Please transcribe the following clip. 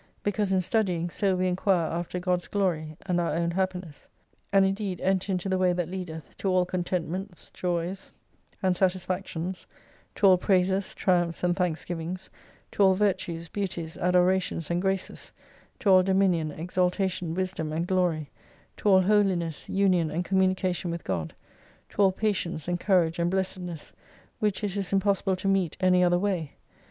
Because in studying so we enquire after God's Glory, and our own happiness. And indeed enter into the way that leadeth to all contentments, joys, and satis l88 factions, to all praises triumphs and thanksgivings, to all virtues, beauties, adorations and graces, to all dominion, exaltation, wisdom, and glory, to all Holiness, Union, and Communication with God, to all patience, and courage and blessedness, which it is impossible to meet any other way.